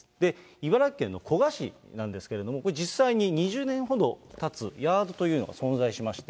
茨城県の古河市なんですけれども、これ、実際に２０年ほどたつヤードというのが存在しまして。